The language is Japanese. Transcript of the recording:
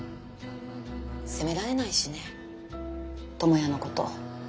責められないしね知也のこと。